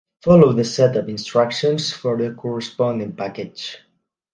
Follow the setup instructions for the corresponding package